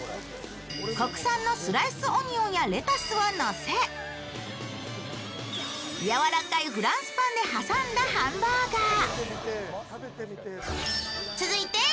国産のスライスオニオンやレタスをのせ、柔らかいフランスパンで挟んだハンバーガー。